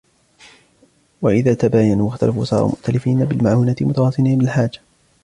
وَإِذَا تَبَايَنُوا وَاخْتَلَفُوا صَارُوا مُؤْتَلِفِينَ بِالْمَعُونَةِ مُتَوَاصِلِينَ بِالْحَاجَةِ